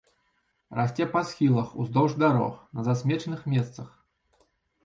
Расце па схілах, уздоўж дарог, на засмечаных месцах.